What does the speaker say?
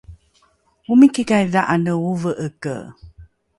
omikikai dha’ane ’ovake?